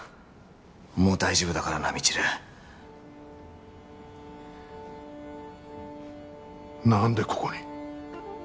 もう大丈夫だからな未知留何でここに？